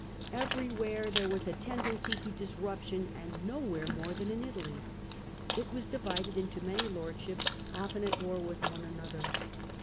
Everywhere there was a tendency to disrup tion, and nowhere more than in Italy. It was divided into many lordships, often at war with one another.